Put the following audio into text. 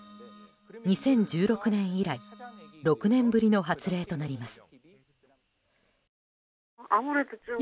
２０１６年以来６年ぶりの発令となります。